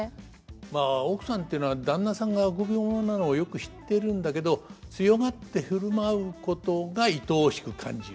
まあ奥さんっていうのは旦那さんが臆病者なのをよく知ってるんだけど強がって振る舞うことがいとおしく感じる。